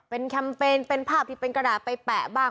เป็นแคมเปญเป็นภาพที่เป็นกระดาษไปแปะบ้าง